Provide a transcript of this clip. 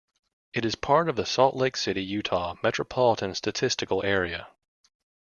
It is part of the Salt Lake City, Utah Metropolitan Statistical Area.